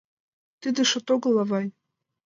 — Тиде шот огыл, авай.